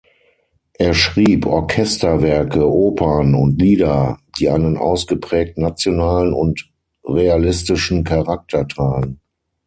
Er schrieb Orchesterwerke, Opern und Lieder, die einen ausgeprägt nationalen und realistischen Charakter tragen.